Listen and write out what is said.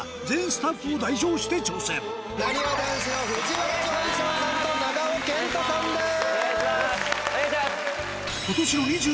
なにわ男子の藤原丈一郎さんと長尾謙杜さんです。